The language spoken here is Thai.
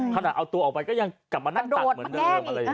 ขนาดเอาตัวออกไปก็ยังกลับมานั่งตัดเหมือนเดิม